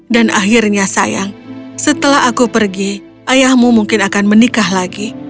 dan akhirnya sayang setelah aku pergi ayahmu mungkin akan menikah lagi